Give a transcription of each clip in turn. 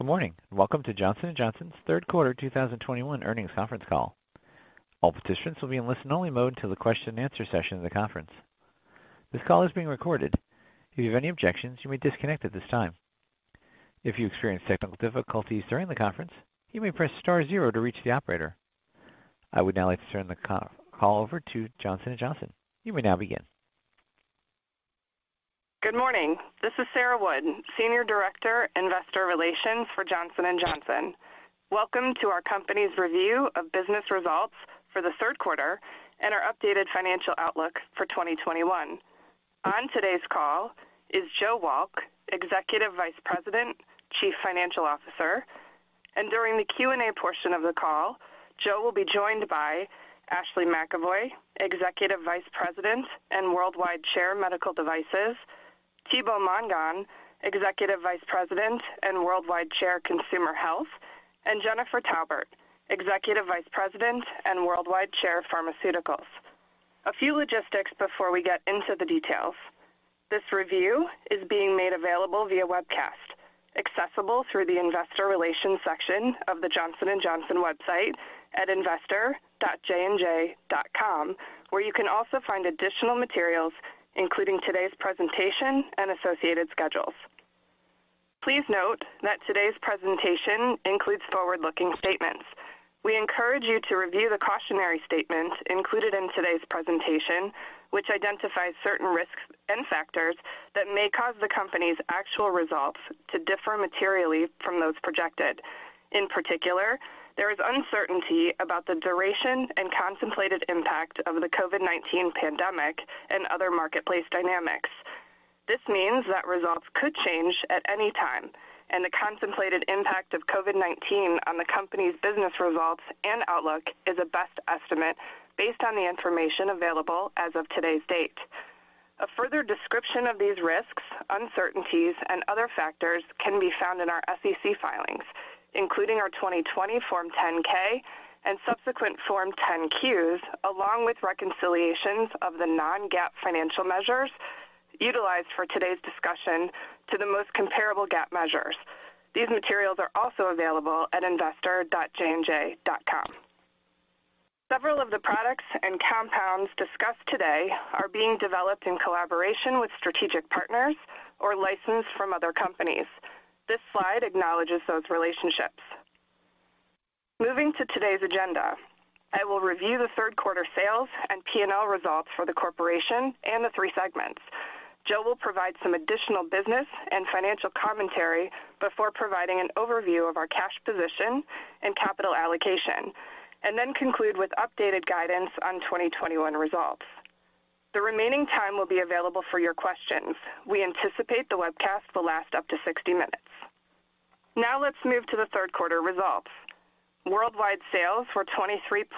Good morning, welcome to Johnson & Johnson's third quarter 2021 earnings conference call. All participants will be in listen-only mode until the question and answer session of the conference. This call is being recorded. If you have any objections, you may disconnect at this time. If you experience technical difficulties during the conference, you may press star zero to reach the operator. I would now like to turn the call over to Johnson & Johnson. Good morning. This is Sarah Wood, Senior Director, Investor Relations for Johnson & Johnson. Welcome to our company's review of business results for the third quarter and our updated financial outlook for 2021. On today's call is Joe Wolk, Executive Vice President, Chief Financial Officer, and during the Q&A portion of the call, Joe will be joined by Ashley McEvoy, Executive Vice President and Worldwide Chair, Medical Devices, Thibaut Mongon, Executive Vice President and Worldwide Chair, Consumer Health, and Jennifer Taubert, Executive Vice President and Worldwide Chair, Pharmaceuticals. A few logistics before we get into the details. This review is being made available via webcast, accessible through the investor relations section of the Johnson & Johnson website at investor.jnj.com, where you can also find additional materials, including today's presentation and associated schedules. Please note that today's presentation includes forward-looking statements. We encourage you to review the cautionary statements included in today's presentation, which identifies certain risks and factors that may cause the company's actual results to differ materially from those projected. In particular, there is uncertainty about the duration and contemplated impact of the COVID-19 pandemic and other marketplace dynamics. This means that results could change at any time, and the contemplated impact of COVID-19 on the company's business results and outlook is a best estimate based on the information available as of today's date. A further description of these risks, uncertainties, and other factors can be found in our SEC filings, including our 2020 Form 10-K and subsequent Form 10-Qs, along with reconciliations of the non-GAAP financial measures utilized for today's discussion to the most comparable GAAP measures. These materials are also available at investor.jnj.com. Several of the products and compounds discussed today are being developed in collaboration with strategic partners or licensed from other companies. This slide acknowledges those relationships. Moving to today's agenda. I will review the third quarter sales and P&L results for the corporation and the three segments. Joe will provide some additional business and financial commentary before providing an overview of our cash position and capital allocation, and then conclude with updated guidance on 2021 results. The remaining time will be available for your questions. We anticipate the webcast will last up to 60 minutes. Now let's move to the third quarter results. Worldwide sales were $23.3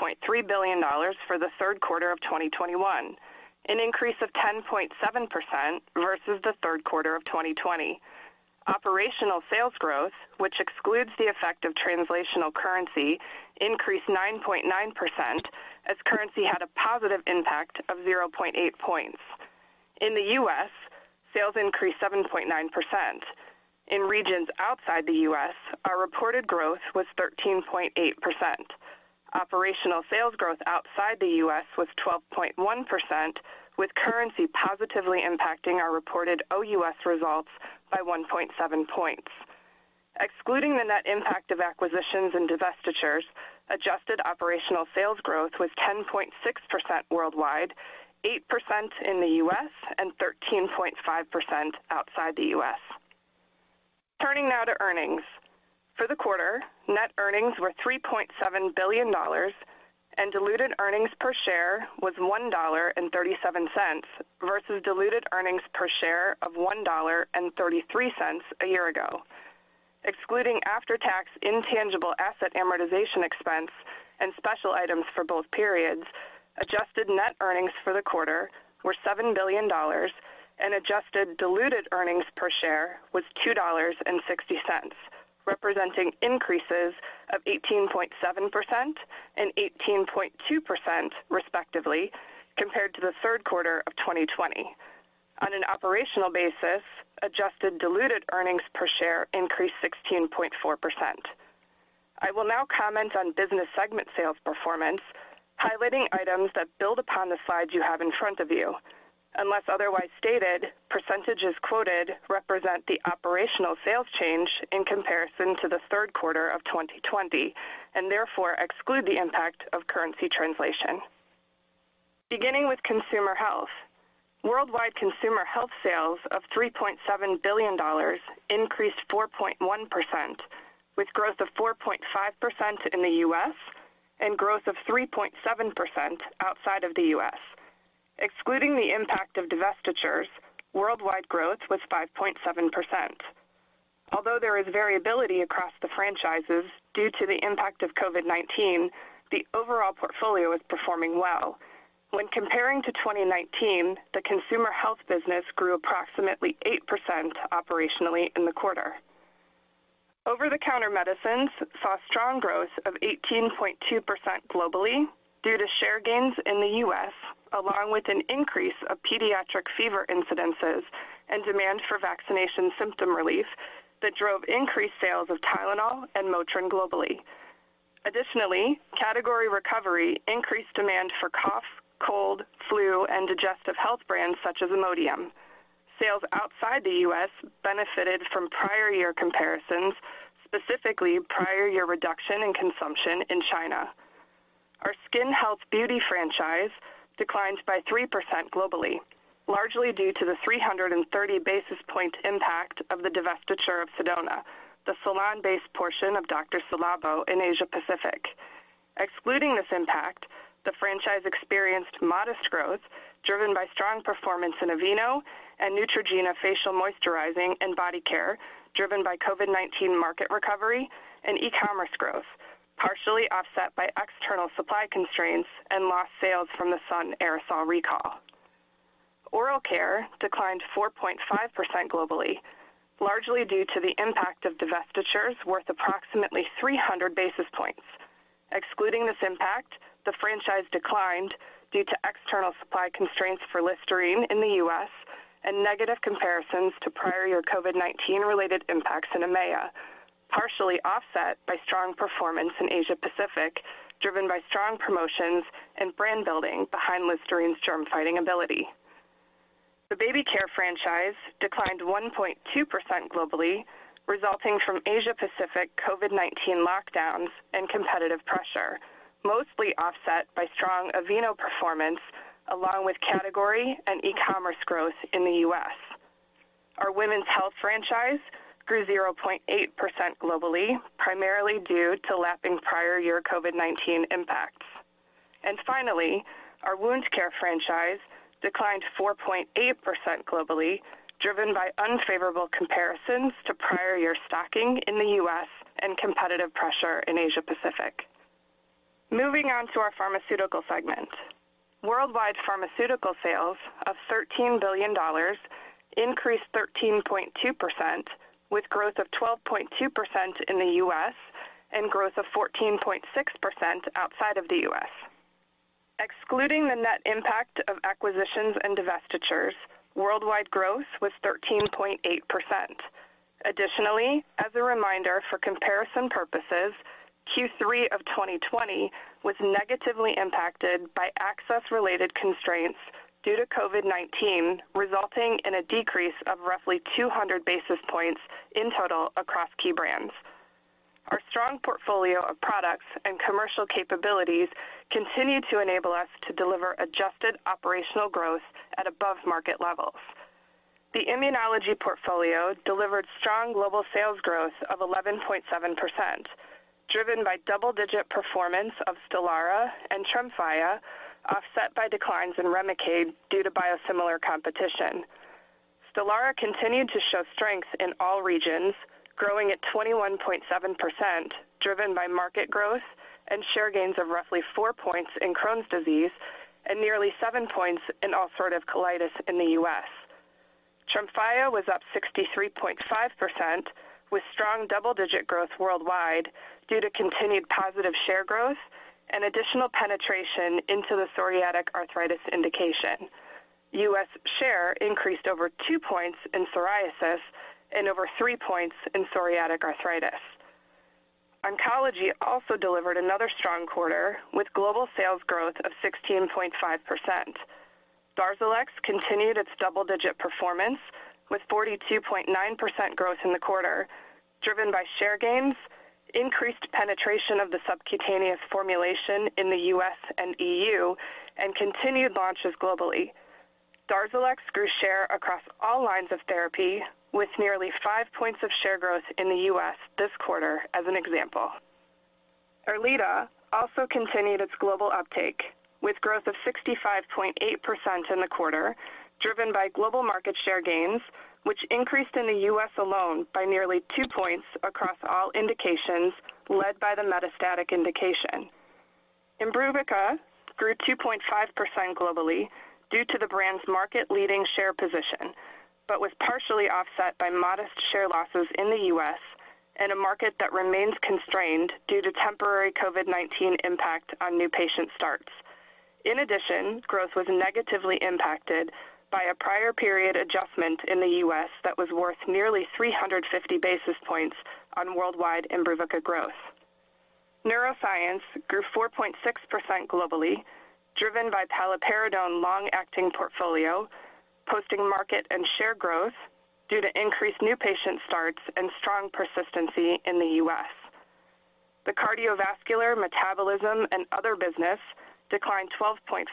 billion for the third quarter of 2021, an increase of 10.7% versus the third quarter of 2020. Operational sales growth, which excludes the effect of translational currency, increased 9.9% as currency had a positive impact of 0.8 points. In the U.S., sales increased 7.9%. In regions outside the U.S., our reported growth was 13.8%. Operational sales growth outside the U.S. was 12.1%, with currency positively impacting our reported OUS results by 1.7 points. Excluding the net impact of acquisitions and divestitures, adjusted operational sales growth was 10.6% worldwide, 8% in the U.S., and 13.5% outside the U.S. Turning now to earnings. For the quarter, net earnings were $3.7 billion and diluted earnings per share was $1.37 versus diluted earnings per share of $1.33 a year ago. Excluding after-tax intangible asset amortization expense and special items for both periods, adjusted net earnings for the quarter were $7 billion and adjusted diluted earnings per share was $2.60, representing increases of 18.7% and 18.2% respectively, compared to the third quarter of 2020. On an operational basis, adjusted diluted earnings per share increased 16.4%. I will now comment on business segment sales performance, highlighting items that build upon the slides you have in front of you. Unless otherwise stated, percentages quoted represent the operational sales change in comparison to the third quarter of 2020, and therefore exclude the impact of currency translation. Beginning with Consumer Health. Worldwide Consumer Health sales of $3.7 billion increased 4.1%, with growth of 4.5% in the U.S. and growth of 3.7% outside of the U.S. Excluding the impact of divestitures, worldwide growth was 5.7%. Although there is variability across the franchises due to the impact of COVID-19, the overall portfolio is performing well. When comparing to 2019, the Consumer Health business grew approximately 8% operationally in the quarter. Over-the-counter medicines saw strong growth of 18.2% globally due to share gains in the U.S., along with an increase of pediatric fever incidences and demand for vaccination symptom relief that drove increased sales of Tylenol and MOTRIN globally. Category recovery increased demand for cough, cold, flu, and digestive health brands such as IMODIUM. Sales outside the U.S. benefited from prior year comparisons, specifically prior year reduction in consumption in China. Our skin health beauty franchise declined by 3% globally, largely due to the 330 basis point impact of the divestiture of Ci:z.Labo, the salon-based portion of Dr.Ci:Labo in Asia Pacific. Excluding this impact, the franchise experienced modest growth, driven by strong performance in Aveeno and Neutrogena facial moisturizing and body care, driven by COVID-19 market recovery and e-commerce growth, partially offset by external supply constraints and lost sales from the Sun aerosol recall. Oral care declined 4.5% globally, largely due to the impact of divestitures worth approximately 300 basis points. Excluding this impact, the franchise declined due to external supply constraints for Listerine in the U.S. and negative comparisons to prior year COVID-19 related impacts in EMEA, partially offset by strong performance in Asia Pacific, driven by strong promotions and brand building behind Listerine's germ-fighting ability. The baby care franchise declined 1.2% globally, resulting from Asia Pacific COVID-19 lockdowns and competitive pressure, mostly offset by strong Aveeno performance, along with category and e-commerce growth in the U.S. Our women's health franchise grew 0.8% globally, primarily due to lapping prior year COVID-19 impacts. And finally our wound care franchise declined 4.8% globally, driven by unfavorable comparisons to prior year stocking in the U.S. and competitive pressure in Asia Pacific. Moving on to our pharmaceutical segment. Worldwide pharmaceutical sales of $13 billion increased 13.2%, with growth of 12.2% in the U.S. and growth of 14.6% outside of the U.S. Excluding the net impact of acquisitions and divestitures, worldwide growth was 13.8%. Additionally, as a reminder, for comparison purposes, Q3 of 2020 was negatively impacted by access-related constraints due to COVID-19, resulting in a decrease of roughly 200 basis points in total across key brands. Our strong portfolio of products and commercial capabilities continue to enable us to deliver adjusted operational growth at above-market levels. The immunology portfolio delivered strong global sales growth of 11.7%, driven by double-digit performance of STELARA and TREMFYA, offset by declines in REMICADE due to biosimilar competition. STELARA continued to show strength in all regions, growing at 21.7%, driven by market growth and share gains of roughly 4 points in Crohn's disease and nearly 7 points in ulcerative colitis in the U.S. TREMFYA was up 63.5%, with strong double-digit growth worldwide due to continued positive share growth and additional penetration into the psoriatic arthritis indication. U.S. share increased over two points in psoriasis and over three points in psoriatic arthritis. Oncology also delivered another strong quarter, with global sales growth of 16.5%. DARZALEX continued its double-digit performance with 42.9% growth in the quarter, driven by share gains, increased penetration of the subcutaneous formulation in the U.S. and EU, and continued launches globally. DARZALEX grew share across all lines of therapy, with nearly 5 points of share growth in the U.S. this quarter as an example. ERLEADA also continued its global uptake, with growth of 65.8% in the quarter, driven by global market share gains, which increased in the U.S. alone by nearly two points across all indications, led by the metastatic indication. Imbruvica grew 2.5% globally due to the brand's market-leading share position, but was partially offset by modest share losses in the U.S. and a market that remains constrained due to temporary COVID-19 impact on new patient starts. In addition, growth was negatively impacted by a prior period adjustment in the U.S. that was worth nearly 350 basis points on worldwide Imbruvica growth. Neuroscience grew 4.6% globally, driven by paliperidone long-acting portfolio, posting market and share growth due to increased new patient starts and strong persistency in the U.S. The Cardiovascular, Metabolism, and Other business declined 12.4%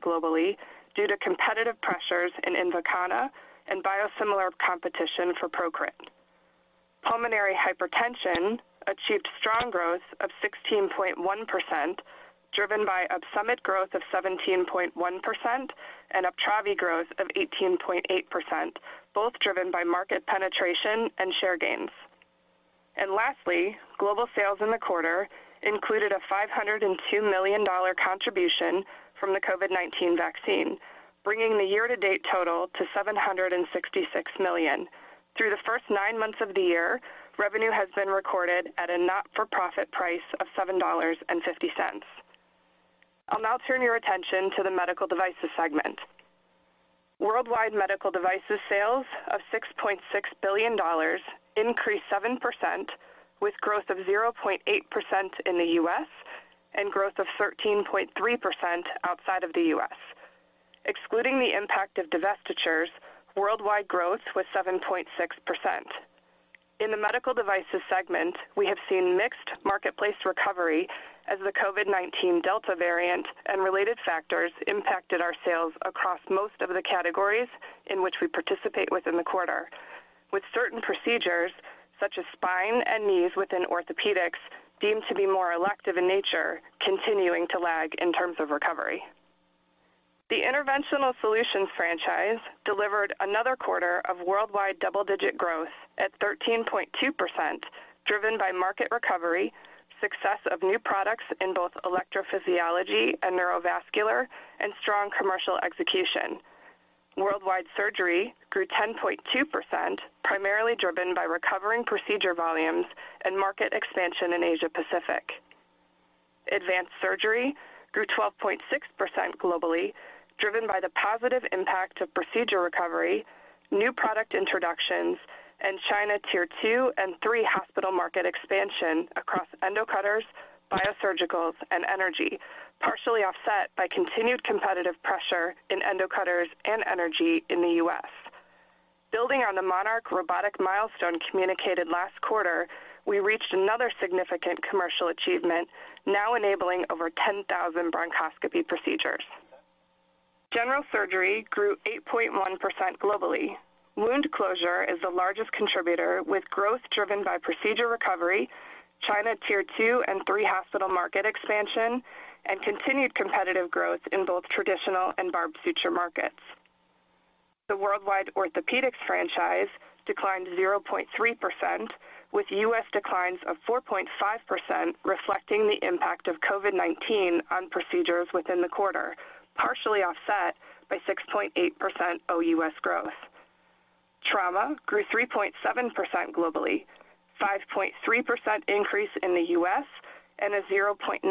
globally due to competitive pressures in INVOKANA and biosimilar competition for PROCRIT. Pulmonary hypertension achieved strong growth of 16.1%, driven by OPSUMIT growth of 17.1% and UPTRAVI growth of 18.8%, both driven by market penetration and share gains. Lastly, global sales in the quarter included a $502 million contribution from the COVID-19 vaccine, bringing the year-to-date total to $766 million. Through the first nine months of the year, revenue has been recorded at a not-for-profit price of $7.50. I'll now turn your attention to the Medical Devices segment. Worldwide Medical Devices sales of $6.6 billion increased 7%, with growth of 0.8% in the U.S. and growth of 13.3% outside of the U.S. Excluding the impact of divestitures, worldwide growth was 7.6%. In the Medical Devices segment, we have seen mixed marketplace recovery as the COVID-19 Delta variant and related factors impacted our sales across most of the categories in which we participate within the quarter, with certain procedures, such as spine and knees within orthopedics, deemed to be more elective in nature, continuing to lag in terms of recovery. The Interventional Solutions franchise delivered another quarter of worldwide double-digit growth at 13.2%, driven by market recovery, success of new products in both electrophysiology and neurovascular, and strong commercial execution. Worldwide surgery grew 10.2%, primarily driven by recovering procedure volumes and market expansion in Asia Pacific. Advanced surgery grew 12.6% globally, driven by the positive impact of procedure recovery, new product introductions, and China Tier 2 and 3 hospital market expansion across endo cutters, biosurgical, and energy, partially offset by continued competitive pressure in endo cutters and energy in the U.S. Building on the MONARCH robotic milestone communicated last quarter, we reached another significant commercial achievement, now enabling over 10,000 bronchoscopy procedures. General surgery grew 8.1% globally. Wound closure is the largest contributor, with growth driven by procedure recovery, China Tier 2 and 3 hospital market expansion, and continued competitive growth in both traditional and barbed suture markets. The worldwide Orthopedics franchise declined 0.3%, with U.S. declines of 4.5%, reflecting the impact of COVID-19 on procedures within the quarter, partially offset by 6.8% OUS growth. Trauma grew 3.7% globally, 5.3% increase in the U.S., and a 0.9%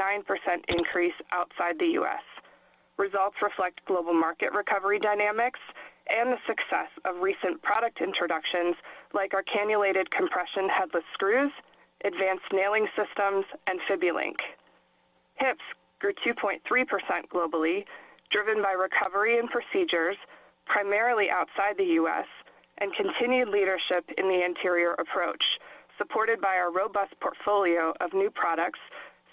increase outside the U.S. Results reflect global market recovery dynamics and the success of recent product introductions like our cannulated compression headless screws, advanced nailing systems, and FIBULINK. Hips grew 2.3% globally, driven by recovery and procedures primarily outside the U.S. and continued leadership in the anterior approach, supported by our robust portfolio of new products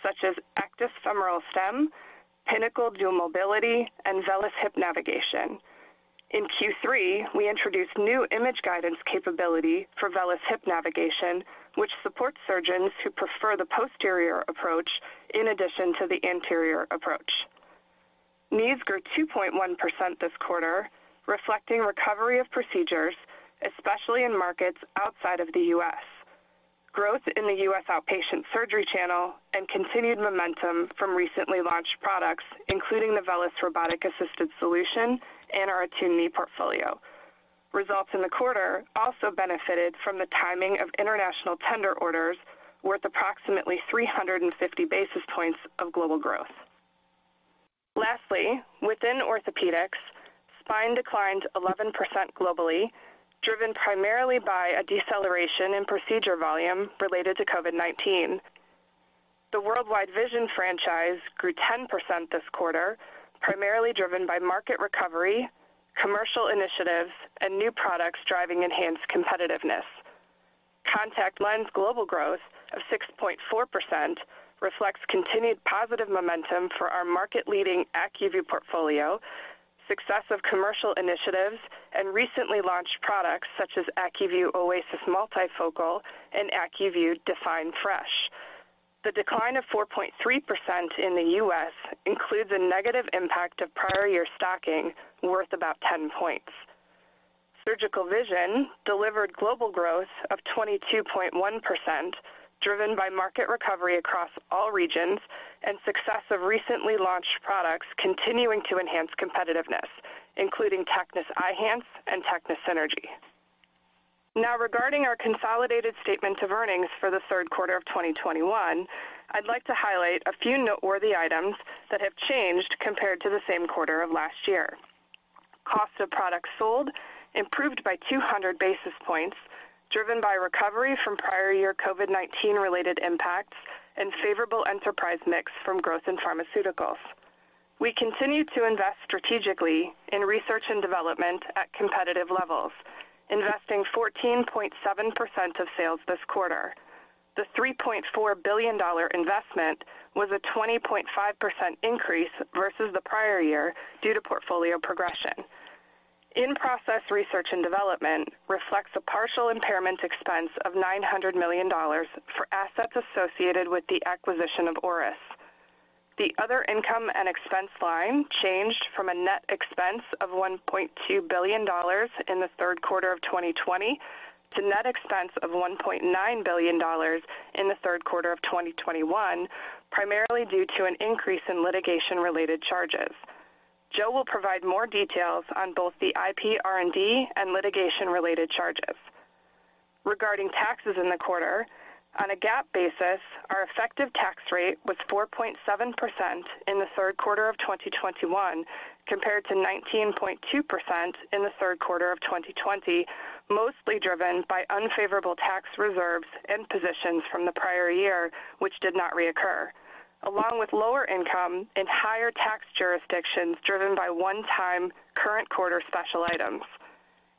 such as ACTIS femoral stem, PINNACLE Dual Mobility, and VELYS Hip Navigation. In Q3, we introduced new image guidance capability for VELYS Hip Navigation, which supports surgeons who prefer the posterior approach in addition to the anterior approach. Knees grew 2.1% this quarter, reflecting recovery of procedures, especially in markets outside of the U.S. Growth in the U.S. outpatient surgery channel and continued momentum from recently launched products, including the VELYS Robotic-Assisted Solution and our ATTUNE knee portfolio. Results in the quarter also benefited from the timing of international tender orders worth approximately 350 basis points of global growth. Lastly, within orthopedics, spine declined 11% globally, driven primarily by a deceleration in procedure volume related to COVID-19. The worldwide vision franchise grew 10% this quarter, primarily driven by market recovery, commercial initiatives, and new products driving enhanced competitiveness. Contact lens global growth of 6.4% reflects continued positive momentum for our market-leading ACUVUE portfolio, success of commercial initiatives, and recently launched products such as ACUVUE OASYS Multifocal and ACUVUE DEFINE Fresh. The decline of 4.3% in the U.S. includes a negative impact of prior year stocking worth about 10 points. Surgical Vision delivered global growth of 22.1%, driven by market recovery across all regions and success of recently launched products continuing to enhance competitiveness, including TECNIS Eyhance and TECNIS Synergy. Regarding our consolidated statement of earnings for the third quarter of 2021, I'd like to highlight a few noteworthy items that have changed compared to the same quarter of last year. Cost of products sold improved by 200 basis points, driven by recovery from prior year COVID-19 related impacts and favorable enterprise mix from growth in pharmaceuticals. We continued to invest strategically in research and development at competitive levels, investing 14.7% of sales this quarter. The $3.4 billion investment was a 20.5% increase versus the prior year due to portfolio progression. In-process research and development reflects a partial impairment expense of $900 million for assets associated with the acquisition of Auris. The other income and expense line changed from a net expense of $1.2 billion in the third quarter of 2020 to net expense of $1.9 billion in the third quarter of 2021, primarily due to an increase in litigation-related charges. Joe will provide more details on both the IPR&D and litigation-related charges. Regarding taxes in the quarter, on a GAAP basis, our effective tax rate was 4.7% in the third quarter of 2021, compared to 19.2% in the third quarter of 2020, mostly driven by unfavorable tax reserves and positions from the prior year, which did not reoccur, along with lower income and higher tax jurisdictions driven by one-time current quarter special items.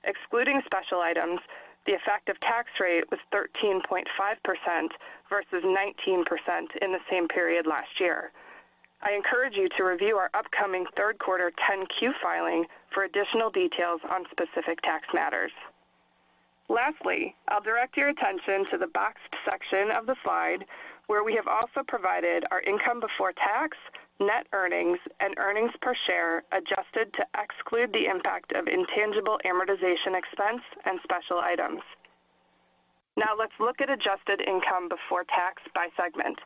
Excluding special items, the effective tax rate was 13.5% versus 19% in the same period last year. I encourage you to review our upcoming third quarter 10-Q filing for additional details on specific tax matters. Lastly, I'll direct your attention to the boxed section of the slide where we have also provided our income before tax, net earnings, and earnings per share adjusted to exclude the impact of intangible amortization expense and special items. Let's look at adjusted income before tax by Segment.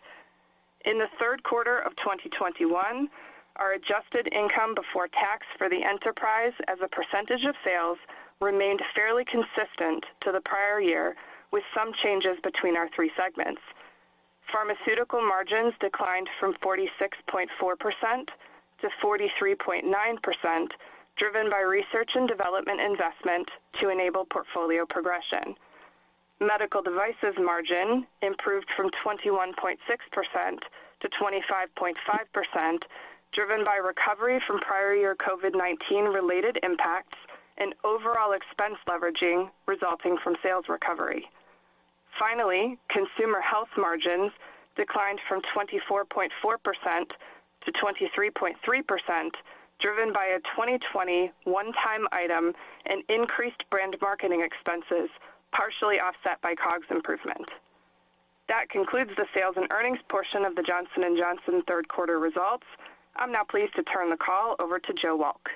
In the third quarter of 2021, our adjusted income before tax for the enterprise as a percentage of sales remained fairly consistent to the prior year, with some changes between our three Segments. Pharmaceutical margins declined from 46.4%-43.9%, driven by R&D investment to enable portfolio progression. Medical Devices margin improved from 21.6%-25.5%, driven by recovery from prior year COVID-19 related impacts and overall expense leveraging resulting from sales recovery. Finally, Consumer Health margins declined from 24.4%-23.3%, driven by a 2020 one-time item and increased brand marketing expenses, partially offset by COGS improvement. That concludes the sales and earnings portion of the Johnson & Johnson third quarter results. I'm now pleased to turn the call over to Joe Wolk.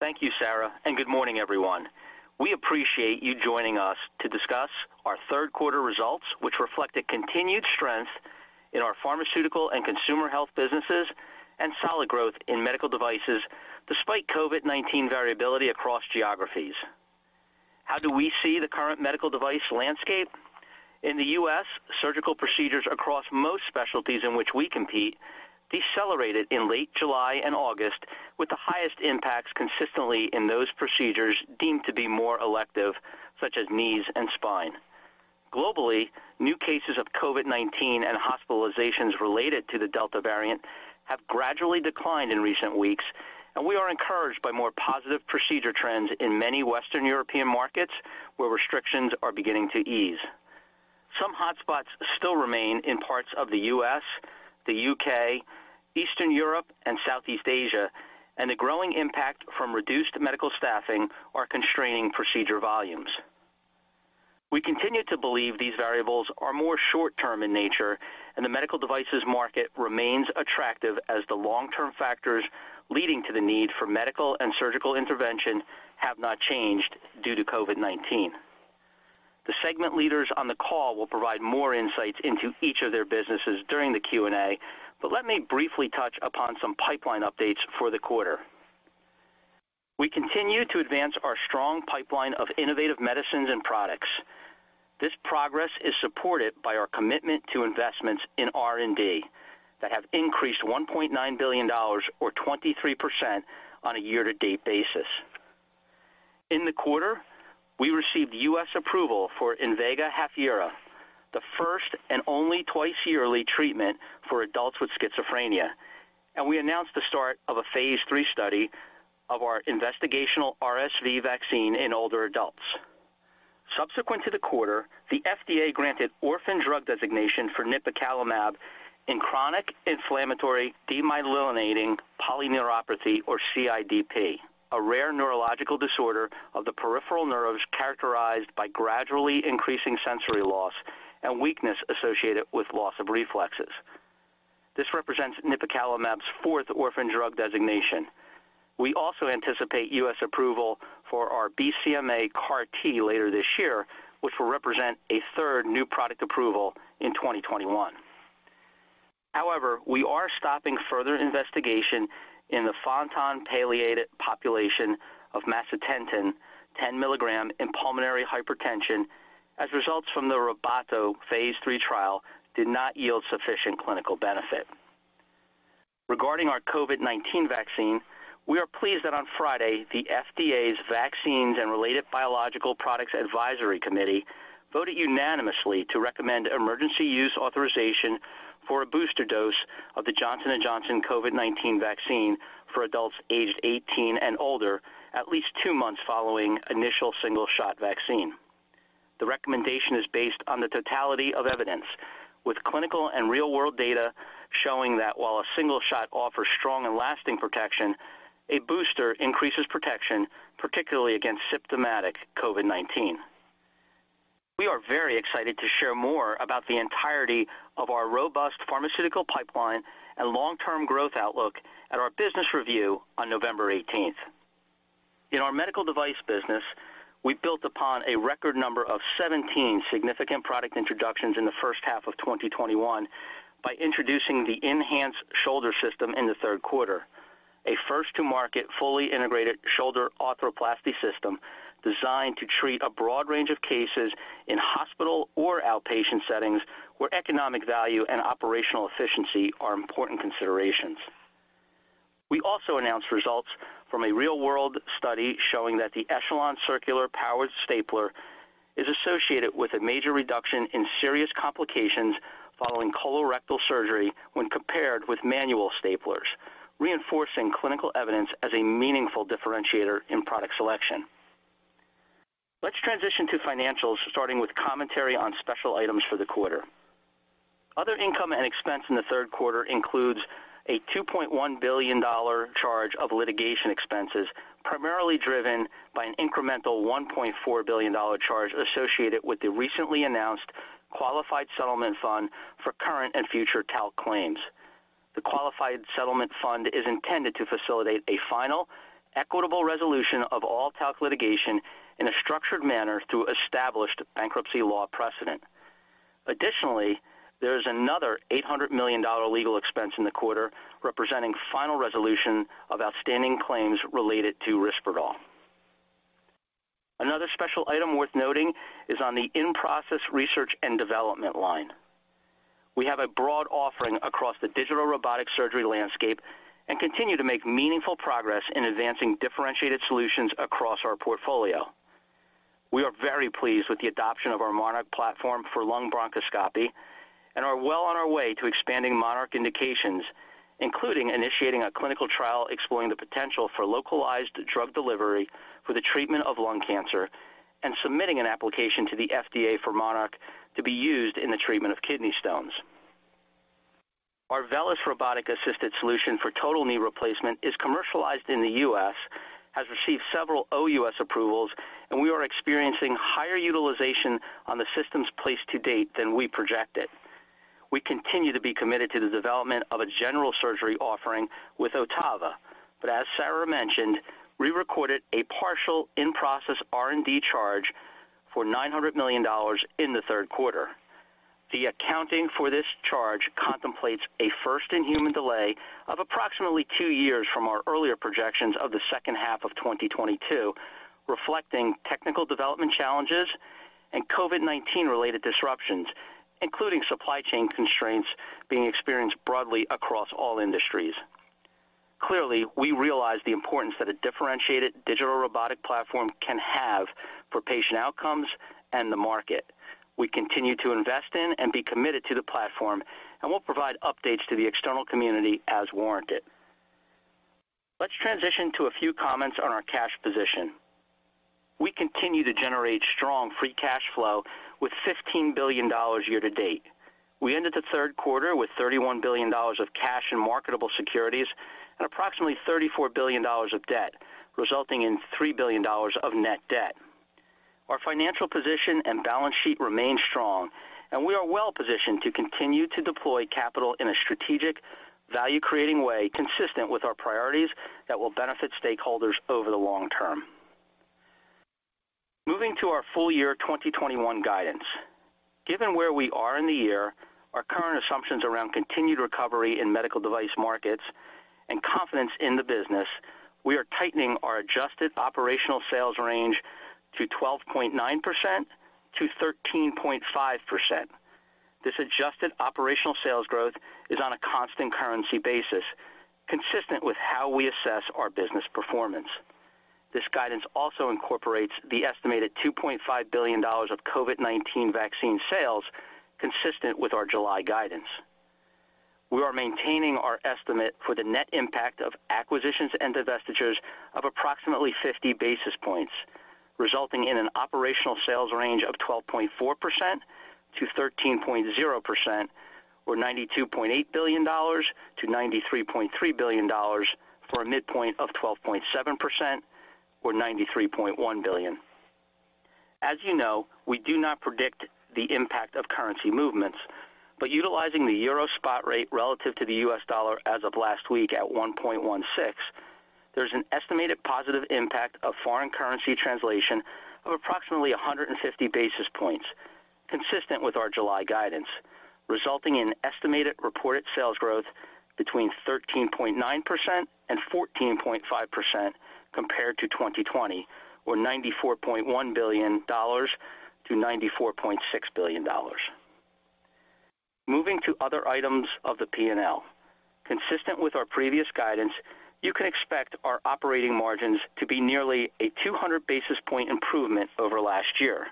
Thank you, Sarah, and good morning, everyone. We appreciate you joining us to discuss our third quarter results, which reflect a continued strength in our pharmaceutical and consumer health businesses and solid growth in medical devices despite COVID-19 variability across geographies. How do we see the current medical device landscape? In the U.S., surgical procedures across most specialties in which we compete decelerated in late July and August with the highest impacts consistently in those procedures deemed to be more elective, such as knees and spine. Globally, new cases of COVID-19 and hospitalizations related to the Delta variant have gradually declined in recent weeks, and we are encouraged by more positive procedure trends in many Western European markets, where restrictions are beginning to ease. Some hotspots still remain in parts of the U.S., the U.K., Eastern Europe, and Southeast Asia, the growing impact from reduced medical staffing are constraining procedure volumes. We continue to believe these variables are more short-term in nature, the medical devices market remains attractive as the long-term factors leading to the need for medical and surgical intervention have not changed due to COVID-19. The segment leaders on the call will provide more insights into each of their businesses during the Q&A, let me briefly touch upon some pipeline updates for the quarter. We continue to advance our strong pipeline of innovative medicines and products. This progress is supported by our commitment to investments in R&D that have increased $1.9 billion or 23% on a year-to-date basis. In the quarter, we received U.S. approval for INVEGA HAFYERA, the first and only twice-yearly treatment for adults with schizophrenia. We announced the start of a phase III study of our investigational RSV vaccine in older adults. Subsequent to the quarter, the FDA granted orphan drug designation for nipocalimab in chronic inflammatory demyelinating polyneuropathy or CIDP, a rare neurological disorder of the peripheral nerves characterized by gradually increasing sensory loss and weakness associated with loss of reflexes. This represents nipocalimab's fourth orphan drug designation. We also anticipate U.S. approval for our BCMA CAR T later this year, which will represent a third new product approval in 2021. We are stopping further investigation in the Fontan-palliated population of macitentan 10 mg in pulmonary hypertension as results from the RUBATO phase III trial did not yield sufficient clinical benefit. Regarding our COVID-19 vaccine, we are pleased that on Friday, the FDA's Vaccines and Related Biological Products Advisory Committee voted unanimously to recommend emergency use authorization for a booster dose of the Johnson & Johnson COVID-19 vaccine for adults aged 18 and older, at least two months following initial single-shot vaccine. The recommendation is based on the totality of evidence with clinical and real-world data showing that while a single shot offers strong and lasting protection, a booster increases protection, particularly against symptomatic COVID-19. We are very excited to share more about the entirety of our robust pharmaceutical pipeline and long-term growth outlook at our business review on November 18th. In our medical device business, we built upon a record number of 17 significant product introductions in the first half of 2021 by introducing the INHANCE Shoulder System in the third quarter, a first-to-market, fully integrated shoulder arthroplasty system designed to treat a broad range of cases in hospital or outpatient settings, where economic value and operational efficiency are important considerations. We also announced results from a real-world study showing that the ECHELON circular powered stapler is associated with a major reduction in serious complications following colorectal surgery when compared with manual staplers, reinforcing clinical evidence as a meaningful differentiator in product selection. Let's transition to financials, starting with commentary on special items for the quarter. Other income and expense in the third quarter includes a $2.1 billion charge of litigation expenses, primarily driven by an incremental $1.4 billion charge associated with the recently announced qualified settlement fund for current and future talc claims. The qualified settlement fund is intended to facilitate a final, equitable resolution of all talc litigation in a structured manner through established bankruptcy law precedent. There is another $800 million legal expense in the quarter, representing final resolution of outstanding claims related to Risperdal. Another special item worth noting is on the In-Process Research and Development line. We have a broad offering across the digital robotic surgery landscape and continue to make meaningful progress in advancing differentiated solutions across our portfolio. We are very pleased with the adoption of our MONARCH platform for lung bronchoscopy and are well on our way to expanding MONARCH indications, including initiating a clinical trial exploring the potential for localized drug delivery for the treatment of lung cancer, and submitting an application to the FDA for MONARCH to be used in the treatment of kidney stones. Our VELYS Robotic-Assisted Solution for total knee replacement is commercialized in the U.S., has received several OUS approvals, and we are experiencing higher utilization on the systems placed to date than we projected. We continue to be committed to the development of a general surgery offering with OTTAVA, but as Sarah mentioned, we recorded a partial in-process R&D charge for $900 million in the third quarter. The accounting for this charge contemplates a first-in-human delay of approximately two years from our earlier projections of the second half of 2022, reflecting technical development challenges and COVID-19 related disruptions, including supply chain constraints being experienced broadly across all industries. Clearly, we realize the importance that a differentiated digital robotic platform can have for patient outcomes and the market. We continue to invest in and be committed to the platform, and we'll provide updates to the external community as warranted. Let's transition to a few comments on our cash position. We continue to generate strong free cash flow with $15 billion year to date. We ended the third quarter with $31 billion of cash and marketable securities and approximately $34 billion of debt, resulting in $3 billion of net debt. Our financial position and balance sheet remain strong, and we are well positioned to continue to deploy capital in a strategic, value-creating way consistent with our priorities that will benefit stakeholders over the long term. Moving to our full year 2021 guidance. Given where we are in the year, our current assumptions around continued recovery in medical device markets, and confidence in the business, we are tightening our adjusted operational sales range to 12.9%-13.5%. This adjusted operational sales growth is on a constant currency basis, consistent with how we assess our business performance. This guidance also incorporates the estimated $2.5 billion of COVID-19 vaccine sales consistent with our July guidance. We are maintaining our estimate for the net impact of acquisitions and divestitures of approximately 50 basis points, resulting in an operational sales range of 12.4%-13.0%, or $92.8 billion-$93.3 billion, for a midpoint of 12.7%, or $93.1 billion. As you know, we do not predict the impact of currency movements, but utilizing the euro spot rate relative to the U.S. dollar as of last week at $1.16, there's an estimated positive impact of foreign currency translation of approximately 150 basis points, consistent with our July guidance, resulting in an estimated reported sales growth between 13.9% and 14.5% compared to 2020, or $94.1 billion-$94.6 billion. Moving to other items of the P&L. Consistent with our previous guidance, you can expect our operating margins to be nearly a 200 basis point improvement over last year.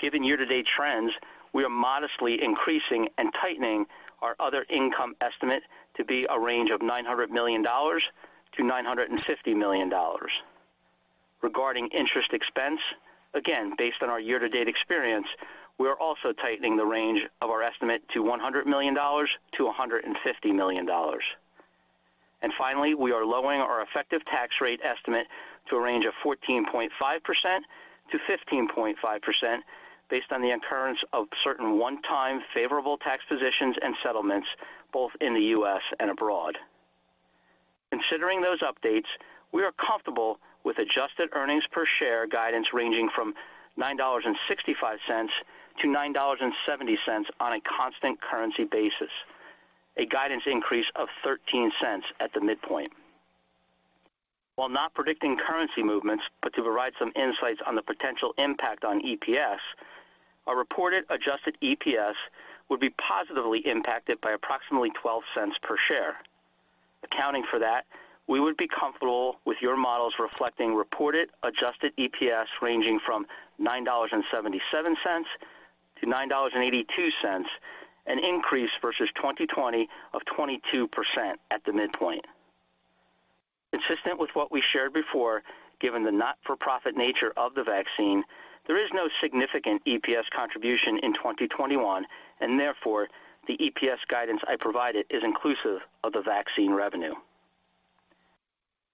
Given year-to-date trends, we are modestly increasing and tightening our other income estimate to be a range of $900 million-$950 million. Regarding interest expense, again, based on our year-to-date experience, we are also tightening the range of our estimate to $100 million-$150 million. Finally, we are lowering our effective tax rate estimate to a range of 14.5%-15.5% based on the occurrence of certain one-time favorable tax positions and settlements, both in the U.S. and abroad. Considering those updates, we are comfortable with adjusted earnings per share guidance ranging from $9.65-$9.70 on a constant currency basis, a guidance increase of $0.13 at the midpoint. While not predicting currency movements, but to provide some insights on the potential impact on EPS, our reported adjusted EPS would be positively impacted by approximately $0.12 per share. Accounting for that, we would be comfortable with your models reflecting reported adjusted EPS ranging from $9.77-$9.82, an increase versus 2020 of 22% at the midpoint. Consistent with what we shared before, given the not-for-profit nature of the vaccine, there is no significant EPS contribution in 2021, and therefore, the EPS guidance I provided is inclusive of the vaccine revenue.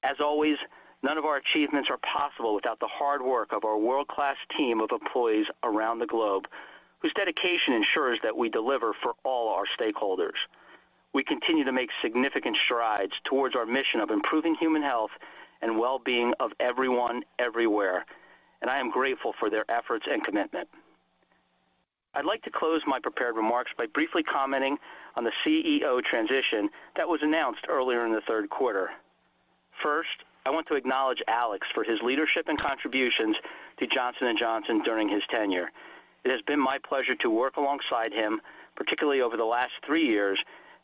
As always, none of our achievements are possible without the hard work of our world-class team of employees around the globe, whose dedication ensures that we deliver for all our stakeholders. We continue to make significant strides towards our mission of improving human health and well-being of everyone, everywhere, and I am grateful for their efforts and commitment. I'd like to close my prepared remarks by briefly commenting on the CEO transition that was announced earlier in the third quarter. First, I want to acknowledge Alex for his leadership and contributions to Johnson & Johnson during his tenure. It has been my pleasure to work alongside him, particularly over the last three years,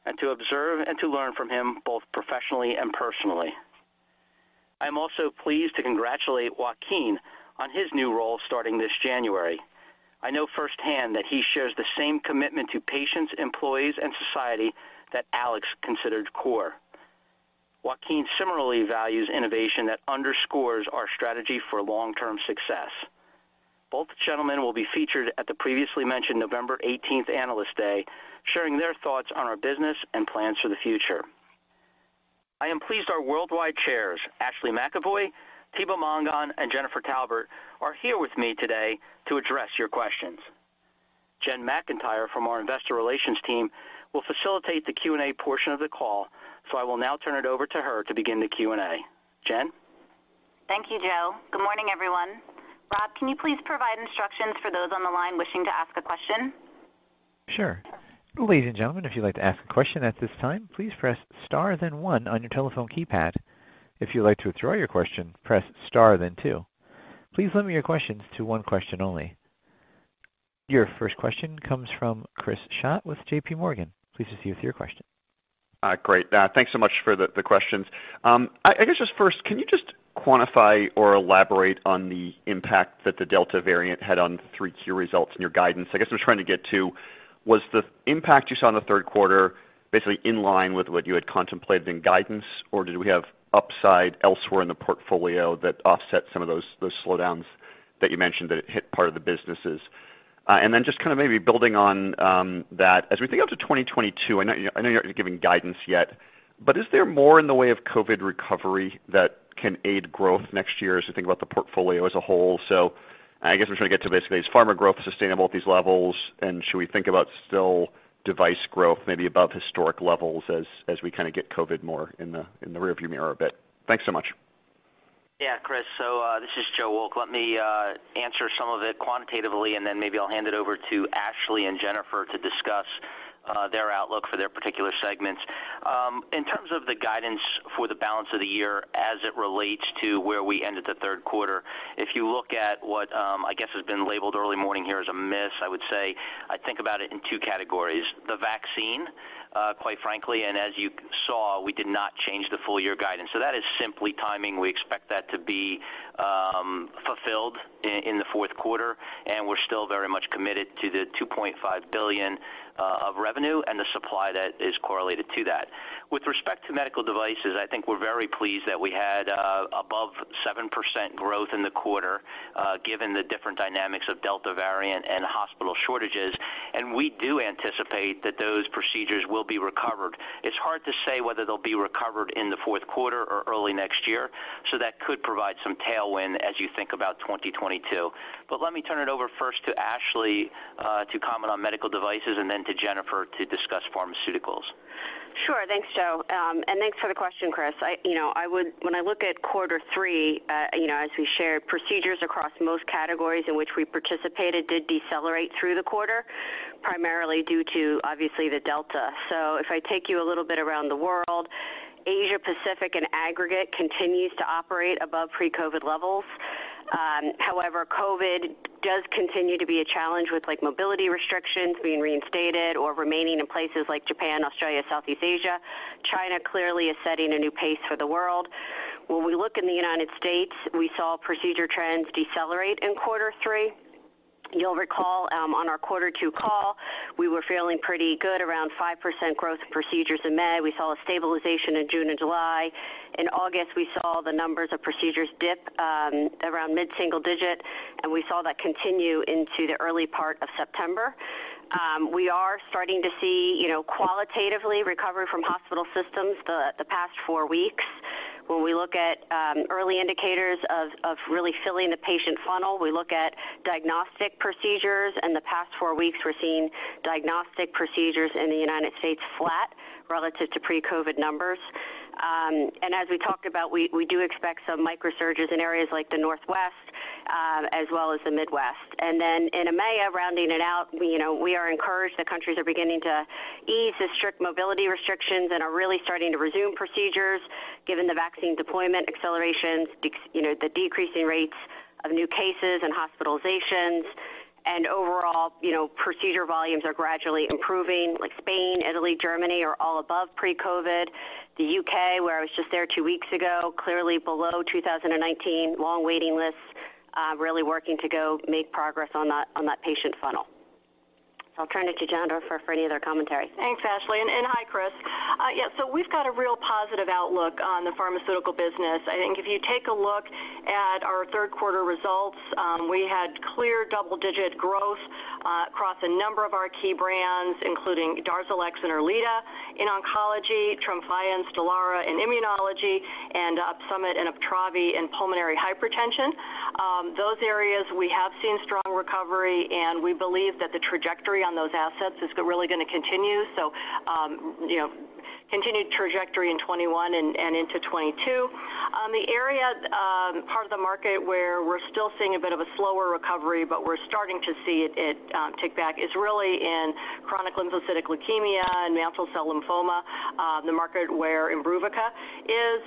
and to observe and to learn from him, both professionally and personally. I am also pleased to congratulate Joaquin on his new role starting this January. I know firsthand that he shares the same commitment to patients, employees, and society that Alex considered core. Joaquin similarly values innovation that underscores our strategy for long-term success. Both gentlemen will be featured at the previously mentioned November 18th Analyst Day, sharing their thoughts on our business and plans for the future. I am pleased our worldwide chairs, Ashley McEvoy, Thibaut Mongon, and Jennifer Taubert, are here with me today to address your questions. Jen McIntyre from our investor relations team will facilitate the Q&A portion of the call, I will now turn it over to her to begin the Q&A. Jen? Thank you, Joe. Good morning, everyone. Rob, can you please provide instructions for those on the line wishing to ask a question? Sure. Ladies and gentlemen if you would like to ask a question at this time, please press star then one on your telephone keypad. If you'd like to withdraw your question, press star then two. Please limit your question to one question only. Your first question comes from Chris Schott with JPMorgan. Please proceed with your question. Great. Thanks so much for the questions. I guess just first, can you just quantify or elaborate on the impact that the Delta variant had on the three key results in your guidance? I guess what I'm trying to get to, was the impact you saw in the third quarter basically in line with what you had contemplated in guidance, or did we have upside elsewhere in the portfolio that offset some of those slowdowns that you mentioned that hit part of the businesses? Then just kind of maybe building on that, as we think up to 2022, I know you're not giving guidance yet, but is there more in the way of COVID recovery that can aid growth next year as we think about the portfolio as a whole? I guess what I'm trying to get to basically, is pharma growth sustainable at these levels, and should we think about still device growth maybe above historic levels as we kind of get COVID more in the rearview mirror a bit? Thanks so much. Yeah, Chris. This is Joe Wolk. Let me answer some of it quantitatively, and then maybe I'll hand it over to Ashley and Jennifer to discuss their outlook for their particular segments. In terms of the guidance for the balance of the year as it relates to where we ended the third quarter, if you look at what I guess has been labeled early morning here as a miss, I would say I think about it in two categories. The vaccine, quite frankly, and as you saw, we did not change the full-year guidance. That is simply timing. We expect that to be fulfilled in the fourth quarter, and we're still very much committed to the $2.5 billion of revenue and the supply that is correlated to that. With respect to medical devices, I think we're very pleased that we had above 7% growth in the quarter, given the different dynamics of Delta variant and hospital shortages. We do anticipate that those procedures will be recovered. It's hard to say whether they'll be recovered in the fourth quarter or early next year, that could provide some tailwind as you think about 2022. Let me turn it over first to Ashley to comment on medical devices and then to Jennifer to discuss pharmaceuticals. Sure. Thanks, Joe, and thanks for the question, Chris. When I look at quarter three, as we shared, procedures across most categories in which we participated did decelerate through the quarter, primarily due to, obviously, the Delta. If I take you a little bit around the world, Asia Pacific in aggregate continues to operate above pre-COVID levels. However, COVID does continue to be a challenge with mobility restrictions being reinstated or remaining in places like Japan, Australia, Southeast Asia. China clearly is setting a new pace for the world. When we look in the U.S., we saw procedure trends decelerate in quarter three. You'll recall on our quarter two call, we were feeling pretty good around 5% growth procedures in May. We saw a stabilization in June and July. In August, we saw the numbers of procedures dip around mid-single-digit, and we saw that continue into the early part of September. We are starting to see qualitatively recovery from hospital systems the past four weeks. When we look at early indicators of really filling the patient funnel, we look at diagnostic procedures. In the past four weeks, we're seeing diagnostic procedures in the U.S. flat relative to pre-COVID numbers. As we talked about, we do expect some micro surges in areas like the Northwest as well as the Midwest. Then in EMEA, rounding it out, we are encouraged that countries are beginning to ease the strict mobility restrictions and are really starting to resume procedures, given the vaccine deployment accelerations, the decreasing rates of new cases and hospitalizations. Overall, procedure volumes are gradually improving, like Spain, Italy, Germany are all above pre-COVID. The U.K., where I was just there two weeks ago, clearly below 2019, long waiting lists, really working to go make progress on that patient funnel. I'll turn it to Jennifer for any other commentary. Thanks, Ashley, and hi, Chris. We've got a real positive outlook on the pharmaceutical business. If you take a look at our third quarter results, we had clear double-digit growth across a number of our key brands, including DARZALEX and ERLEADA in oncology, TREMFYA and STELARA in immunology, and OPSUMIT and UPTRAVI in pulmonary hypertension. Those areas, we have seen strong recovery, and we believe that the trajectory on those assets is going to continue. Continued trajectory in 2021 and into 2022. The area, part of the market where we're still seeing a bit of a slower recovery, but we're starting to see it tick back, is in chronic lymphocytic leukemia and mantle cell lymphoma, the market where IMBRUVICA is.